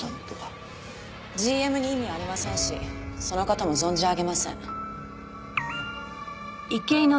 ＧＭに意味はありませんしその方も存じ上げません。